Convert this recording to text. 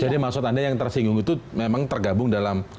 jadi maksud anda yang tersinggung itu memang tergabung dalam